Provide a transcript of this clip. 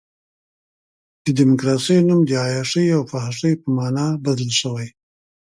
د ډیموکراسۍ نوم د عیاشۍ او فحاشۍ په معنی بدل شوی.